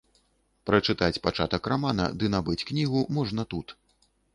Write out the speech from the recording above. Прачытаць пачатак рамана ды набыць кнігу можна тут.